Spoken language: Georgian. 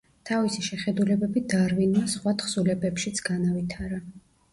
თავისი შეხედულებები დარვინმა სხვა თხზულებებშიც განავითარა.